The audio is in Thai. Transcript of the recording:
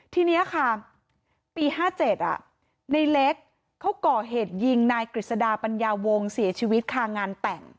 ทีนี้ค่ะปี๕๗ในเล็กเขาก่อเหตุยิงนายกฤษดาปัญญาวงศ์เสียชีวิตคางานแต่ง